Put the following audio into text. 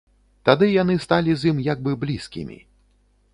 Тады яны сталі з ім як бы блізкімі.